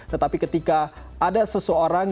tetapi ketika ada seseorang